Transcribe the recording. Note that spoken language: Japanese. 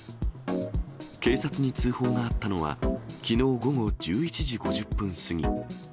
警察に通報があったのは、きのう午後１１時５０分過ぎ。